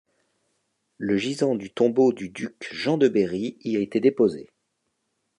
Le gisant du tombeau du duc Jean de Berry y a été déposé.